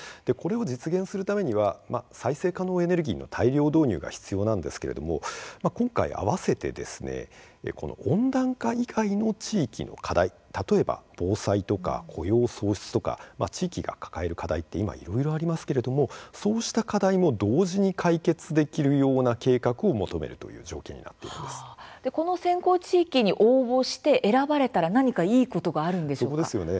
これを実現するためには再生可能エネルギーの大量導入が必要なんですけれども今回、合わせて温暖化以外の地域の課題、例えば防災とか雇用創出とか地域が抱える課題って今いろいろありますけれどもそうした課題も同時に解決できるような計画を求めるというこの先行地域に応募して選ばれたら何かいいことがあるんですか？